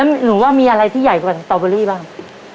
หนูว่ามีอะไรที่ใหญ่กว่าสตอเบอรี่บ้าง